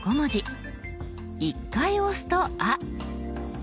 １回押すと「あ」。